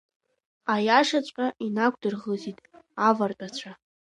Аиашаҵәҟьа, инақәдырӷызит авартәацәа.